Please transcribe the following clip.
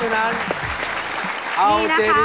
เอาล่ะเพราะฉะนั้น